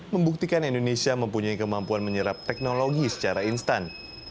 membuktikan indonesia mempunyai kemampuan menyerap teknologi secara instan